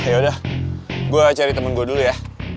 ya udah gue cari temen gue dulu ya